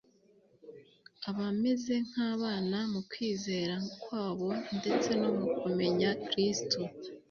abameze nkabana mu kwizera kwabo ndetse no mu kumenya Kristo